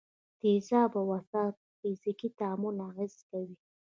تیزاب او اساس په فزیکي تعامل اغېزه کوي.